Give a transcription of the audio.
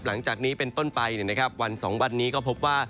หลังจากนี้เป็นต้นไปเนี่ยนะครับวัน๒วันนี้ก็พบว่า